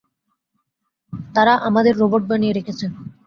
তারা আমাদের রোবট বানিয়ে রেখেছে।